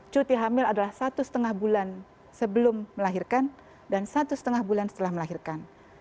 cuti hamil adalah satu setengah bulan sebelum melahirkan dan satu setengah bulan setelah melahirkan